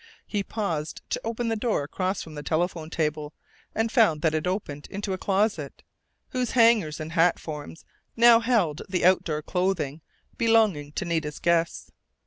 He paused to open the door across from the telephone table and found that it opened into a closet, whose hangers and hat forms now held the outdoor clothing belonging to Nita's guests.